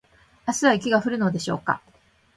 明日は雪が降るのでしょうか